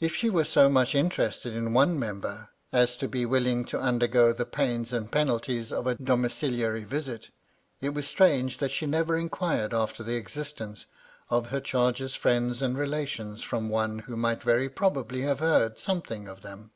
K she were so much interested in one member as to be will ing to undergo the pains and penalties of a domiciliary visit, it was strange that she never inquired after the existence of her charge's friends and relations from one who might very probably have heard something of them.